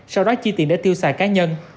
sau đó chi tiền để tiêu xài cá nhân